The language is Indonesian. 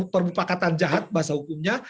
perbupakatan jahat bahasa hukumnya